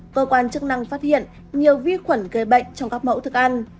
cơ quan chức năng phát hiện nhiều vi khuẩn gây bệnh trong các mẫu thức ăn